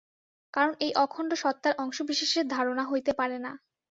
কারণ এই অখণ্ড সত্তার অংশবিশেষের ধারণা হইতে পারে না।